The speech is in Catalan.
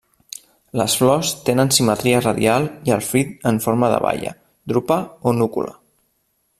Les flors tenen simetria radial i el fruit en forma de baia, drupa o núcula.